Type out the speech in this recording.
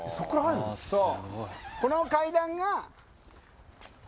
そう。